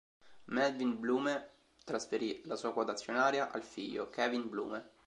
Melvin Blume trasferì la sua quota azionaria al figlio Kevin Blume.